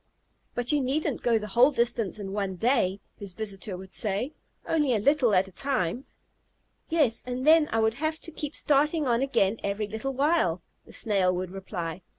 "But you needn't go the whole distance in one day," his visitor would say, "only a little at a time." "Yes, and then I would have to keep starting on again every little while," the Snail would reply.